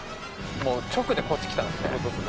直でこっち来たんですね。